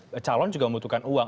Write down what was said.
karena calon juga membutuhkan uang